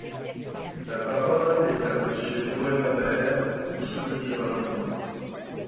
La parole est à Monsieur Noël Mamère, pour soutenir l’amendement.